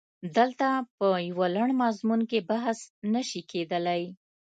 دلته په یوه لنډ مضمون کې بحث نه شي کېدلای.